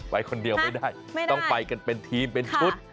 ไปคนเดียวไม่ได้ต้องไปกันเป็นทีมเป็นชุด